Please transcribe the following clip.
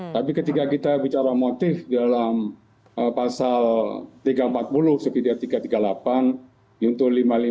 tapi ketika kita bicara motif dalam pasal tiga ratus empat puluh sekidah tiga ratus tiga puluh delapan juntuh lima ratus lima puluh